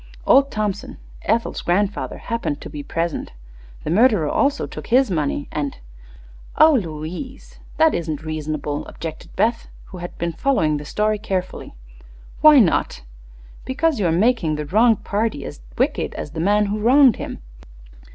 Old Thompson, Ethel's grandfather, happened to be present. The murderer also took his money, and " "Oh, Louise! That isn't reasonable," objected Beth, who had been following the story carefully. "Why not?" "Because you are making the wronged party as wicked as the man who wronged him.